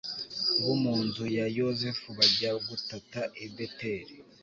bo mu nzu ya yozefu bajya gutata i beteli